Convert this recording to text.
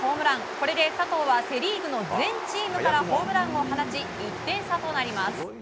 これで佐藤はセ・リーグの全チームからホームランを放ち１点差となります。